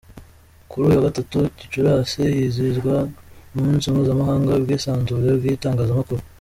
Kuri uyu wa gatatu Gicurasi, hizihizwa Umunsi Mpuzamahanga w’Ubwisanzure bw’Itangazamakuru.